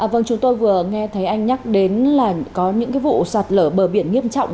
vâng chúng tôi vừa nghe thấy anh nhắc đến là có những vụ sát lở bờ biển nghiêm trọng